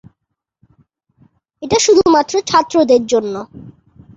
এটা শুধুমাত্র ছাত্রদের জন্য।